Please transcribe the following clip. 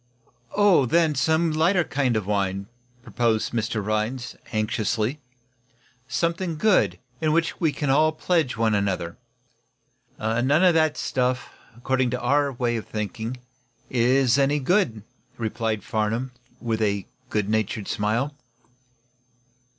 "Oh, then, some lighter kind of wine," proposed Mr. Rhinds, anxiously. "Something good, in which we can all pledge one another." "None of that stuff, according to our way of thinking, is any good," replied Farnum, with a good natured smile.